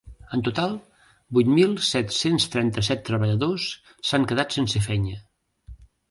En total vuit mil set-cents trenta-set treballadors s’han quedat sense feina.